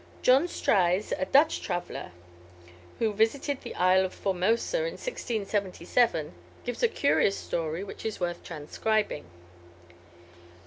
John Struys, a Dutch traveller, who visited the Isle of Formosa in 1677, gives a curious story, which is worth transcribing.